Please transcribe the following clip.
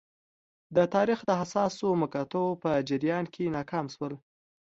د تاریخ د حساسو مقطعو په جریان کې ناکام شول.